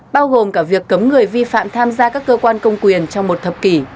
bao gồm cả việc cấm người vi phạm tham gia các cơ quan công quyền trong một thập kỷ